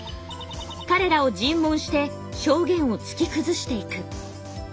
彼らを尋問して証言を突き崩していく。